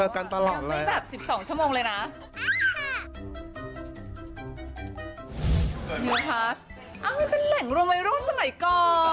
อ้าวมันเป็นแหล่งโรแมร่วดสมัยก่อน